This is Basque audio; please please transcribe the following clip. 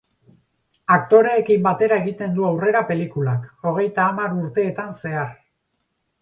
Aktoreekin batera egiten du aurrera pelikulak, hogeita hamar urteetan zehar.